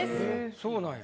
そうなんや。